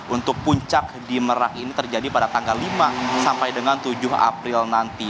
untuk puncak di merak ini terjadi pada tanggal lima sampai dengan tujuh april nanti